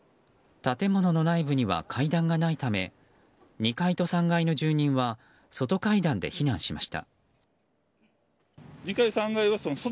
建物の内部には階段がないため２階と３階の住人は外階段で避難しました。